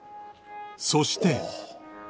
そして